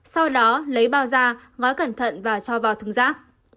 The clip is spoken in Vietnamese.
sau đó lấy bao ra hóa cẩn thận và cho vào thùng rác